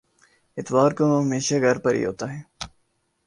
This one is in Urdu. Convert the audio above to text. اتوار کو وہ ہمیشہ گھر پر ہی ہوتا ہے۔